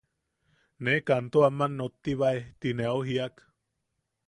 Ne kanto aman nottibae ti ne au jiak.